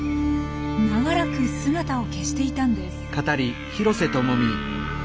長らく姿を消していたんです。